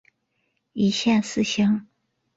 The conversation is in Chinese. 一线四星。